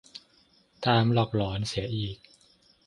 ตามหลอกหลอนเสียอีก